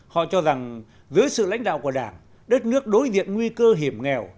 họ cho rằng dưới sự lãnh đạo của đảng đất nước đối diện nguy cơ hiểm nghèo